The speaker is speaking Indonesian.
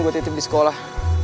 gue titip di sekolah